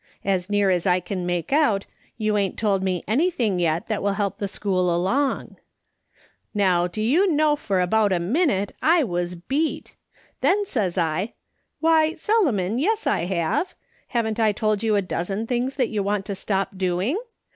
As near as I can make out, you ain't told mo anything yet that will help the school along,' " Now do you know for about a minute I was heat. Then says I :' Why, Solomon, yes I have. Haven't I told you a dozen things that you want to stop doing